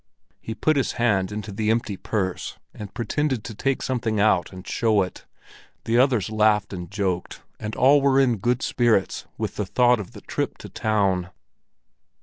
He put his hand into the empty purse and pretended to take something out and show it. The others laughed and joked, and all were in good spirits with the thought of the trip to town.